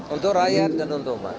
untuk rakyat dan untuk pak